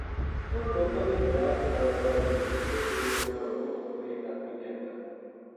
اُنھ لوکاں نے بلا کے ناڑ وعدو کیو تھو جی تنا روز کو ایک آدمی دیاں گا